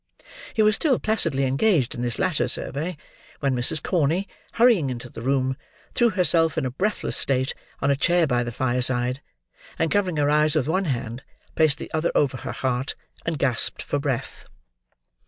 He was still placidly engaged in this latter survey, when Mrs. Corney, hurrying into the room, threw herself, in a breathless state, on a chair by the fireside, and covering her eyes with one hand, placed the other over her heart, and gasped for breath.